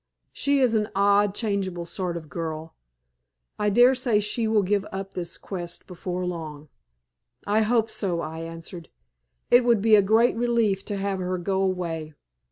She is an odd, changeable sort of girl. I daresay she will give up this quest before long." "I hope so," I answered. "It would be a great relief to have her go away."